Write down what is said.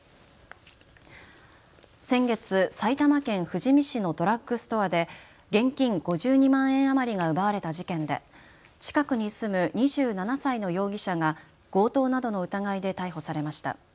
先月、埼玉県富士見市のドラッグストアで現金５２万円余りが奪われた事件で近くに住む２７歳の容疑者が強盗などの疑いで逮捕されました。